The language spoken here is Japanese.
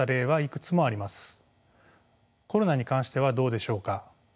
コロナに関してはどうでしょうか？